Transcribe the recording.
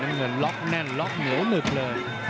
เงินล็อกแน่นล็อกเหนียวหนึบเลย